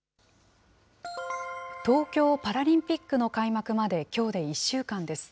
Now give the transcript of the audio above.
東京パラリンピックの開幕まできょうで１週間です。